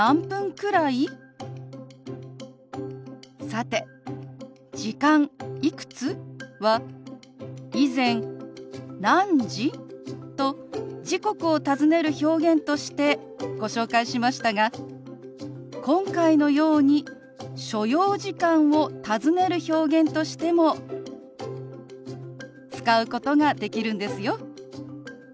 さて「時間」「いくつ？」は以前「何時？」と時刻を尋ねる表現としてご紹介しましたが今回のように所要時間を尋ねる表現としても使うことができるんですよ。